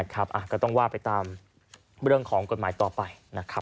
ก็ต้องว่าไปตามเรื่องของกฎหมายต่อไปนะครับ